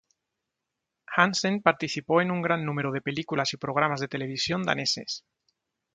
Hansen participó en un gran número de películas y programas de televisión daneses.